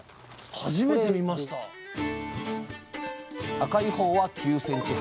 赤いほうは９ｃｍ幅。